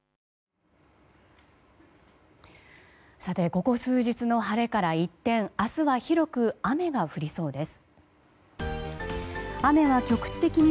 ここ数日の晴れから一転明日は広く雨が降りそうです。